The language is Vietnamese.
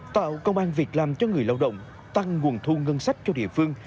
tạo công an việc làm cho người lao động tăng nguồn thu ngân sách cho địa phương